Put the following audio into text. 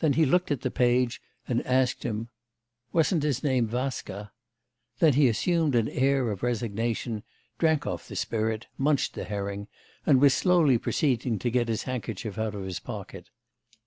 Then he looked at the page and asked him, 'Wasn't his name Vaska?' Then he assumed an air of resignation, drank off the spirit, munched the herring and was slowly proceeding to get his handkerchief out of his pocket.